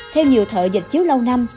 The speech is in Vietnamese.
theo nhiều thợ dịch chiếu lâu năm